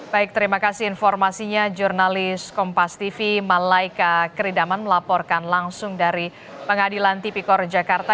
baik terima kasih informasinya jurnalis kompas tv malaika keridaman melaporkan langsung dari pengadilan tipikor jakarta